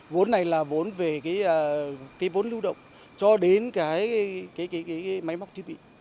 vốn này là vốn về cái vốn lưu động cho đến cái máy móc thiết bị